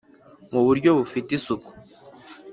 mu buryo bufite isuku,